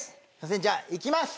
じゃあいきます！